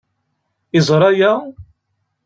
Yeẓra aya?